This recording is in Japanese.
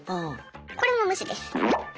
これも無視です。